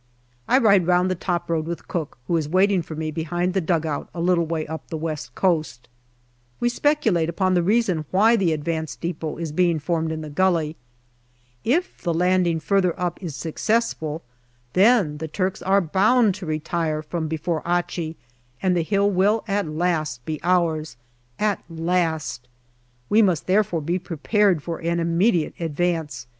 I ride round the top road with Cooke, who is waiting for me behind the dugout a little way up the West Coast. We speculate upon the reason why the advanced depot is being formed in the gully. If the landing further up is successful, then the Turks are bound to retire from before Achi, and the hill will at last be ours. At last ! We must therefore be prepared for an immediate advance.